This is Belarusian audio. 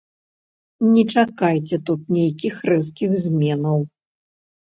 Не чакайце тут нейкіх рэзкіх зменаў.